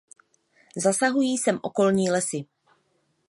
Zasahují sem okolní lesy.